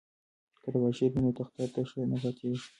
که تباشیر وي نو تخته تشه نه پاتیږي.